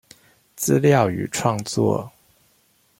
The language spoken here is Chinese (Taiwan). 資料與創作